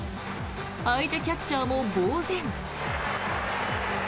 相手キャッチャーもぼうぜん。